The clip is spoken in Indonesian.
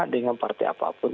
dengan parti apapun